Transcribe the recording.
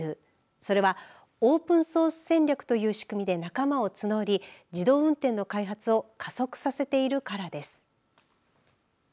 それはオープンソース戦略という仕組みで仲間を募り自動運転の開発を加速させているからです。